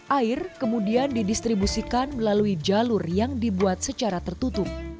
air kemudian didistribusikan melalui jalur yang dibuat secara tertutup